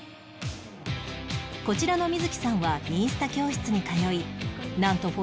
こちらのみづきさんはインスタ教室に通いなんと